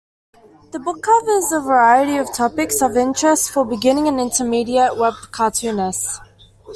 The book covers a variety of topics of interest for beginning and intermediate webcartoonists.